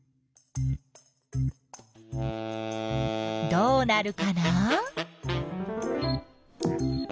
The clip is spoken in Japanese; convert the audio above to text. どうなるかな？